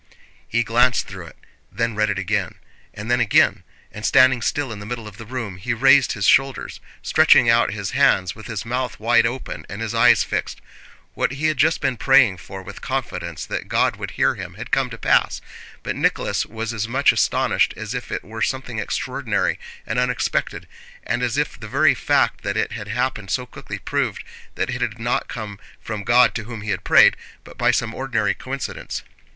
He glanced through it, then read it again, and then again, and standing still in the middle of the room he raised his shoulders, stretching out his hands, with his mouth wide open and his eyes fixed. What he had just been praying for with confidence that God would hear him had come to pass; but Nicholas was as much astonished as if it were something extraordinary and unexpected, and as if the very fact that it had happened so quickly proved that it had not come from God to whom he had prayed, but by some ordinary coincidence.